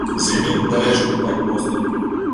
З імі, дарэчы, не так проста.